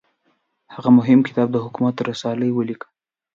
هغه مهم کتاب د حکومت رسالې ولیکه.